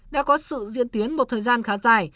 đã có sự diễn tiến một thời gian khá dài